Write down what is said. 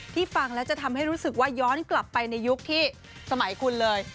ฟังแล้วจะทำให้รู้สึกว่าย้อนกลับไปในยุคที่สมัยคุณเลย